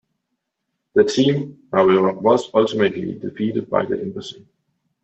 The team, however, was ultimately defeated by The Embassy.